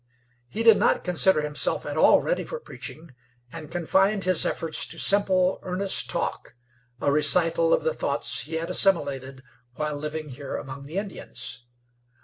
He did not consider himself at all ready for preaching, and confined his efforts to simple, earnest talk, a recital of the thoughts he had assimilated while living here among the Indians.